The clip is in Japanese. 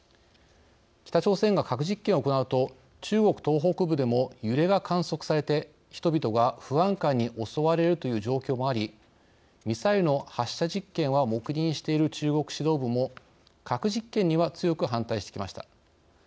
北朝鮮が核実験を行うと中国東北部でも揺れが観測されて人々が不安感に襲われるという状況もありミサイルの発射実験は黙認している中国指導部も核実験には強く反対してきました。